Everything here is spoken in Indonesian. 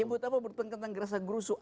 ya buat apa bertengkar tentang kusah kusuh